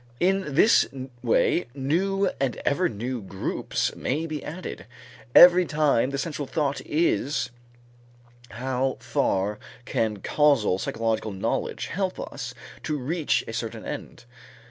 In this way new and ever new groups may be added; every time the central thought is: how far can causal psychological knowledge help us to reach a certain end?